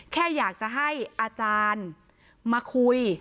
แค่อยากจะให้อาจารย์มาคุย